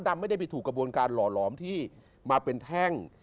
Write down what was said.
ไม่ได้ไปถูกกระบวนการหล่อหลอมที่มาเป็นแท่ง